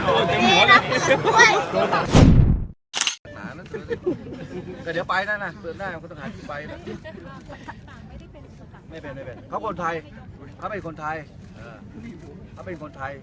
ไม่เป็นไม่เป็นเขาคนไทยเขาเป็นคนไทยเขาเป็นคนไทย